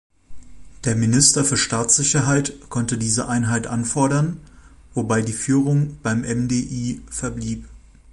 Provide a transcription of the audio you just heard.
Der Minister für Staatssicherheit konnte diese Einheit anfordern, wobei die Führung beim MdI verblieb.